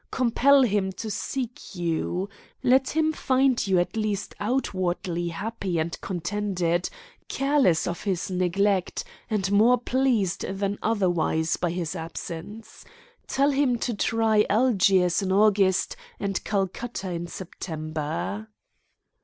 Compel him to seek you. Let him find you at least outwardly happy and contented, careless of his neglect, and more pleased than otherwise by his absence. Tell him to try Algiers in August and Calcutta in September."